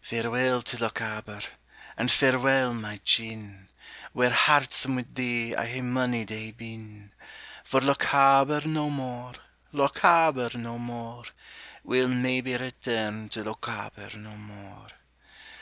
Farewell to Lochaber! and farewell, my Jean, Where heartsome with thee I hae mony day been; For Lochaber no more, Lochaber no more, We'll maybe return to Lochaber no more!